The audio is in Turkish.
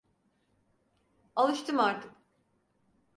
Alıştım artık.